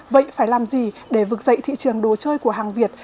vậy phải làm gì để vực dậy thị trường đồ chơi của hàng việt